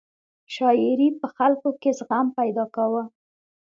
شاعرۍ په خلکو کې زغم پیدا کاوه.